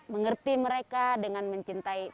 mengerti mereka dengan mencintai